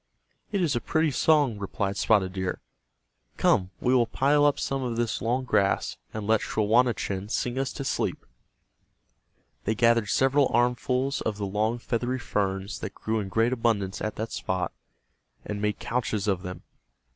"It is a pretty song," replied Spotted Deer. "Come, we will pile up some of this long grass, and let Schawanachen sing us to sleep." They gathered several armfuls of the long feathery ferns that grew in great abundance at that spot, and made couches of them.